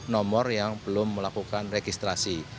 nomor yang belum melakukan registrasi